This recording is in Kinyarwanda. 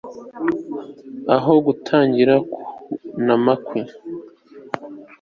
Aho gutangira kunama kwe